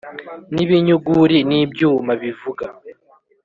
n ibinyuguri n ibyuma bivuga